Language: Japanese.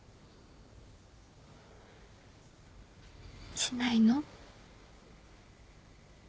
しないの？